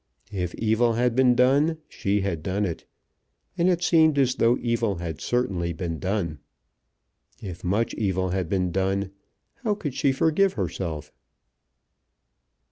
If evil had been done, she had done it; and it seemed as though evil had certainly been done. If much evil had been done, how could she forgive herself?